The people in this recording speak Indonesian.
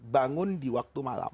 bangun di waktu malam